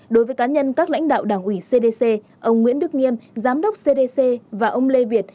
đối với cá nhân các lãnh đạo đảng ủy cdc ông nguyễn đức nghiêm giám đốc cdc và ông lê việt